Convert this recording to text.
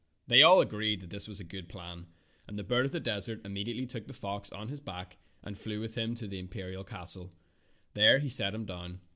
'' They all agreed that this was a good plan, and the bird of the desert immediately took the fox on his back and flew with him to the imperial castle. There he set him down.